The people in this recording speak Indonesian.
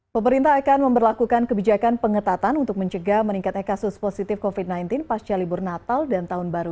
pemerintah akan memperlakukan kebijakan pengetatan untuk mencegah meningkatnya kasus positif covid sembilan belas pasca libur natal dan tahun baru